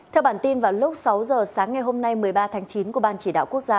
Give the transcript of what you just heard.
theo bản tin vào lúc sáu giờ sáng ngày hôm nay một mươi ba tháng chín của ban chỉ đạo quốc gia